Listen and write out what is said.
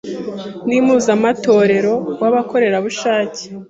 ni mpuzamatorero w’abakorerabushake